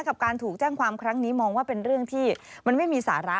กับการถูกแจ้งความครั้งนี้มองว่าเป็นเรื่องที่มันไม่มีสาระ